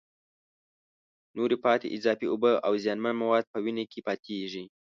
نورې پاتې اضافي اوبه او زیانمن مواد په وینه کې پاتېږي.